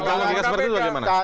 kalau logika seperti itu bagaimana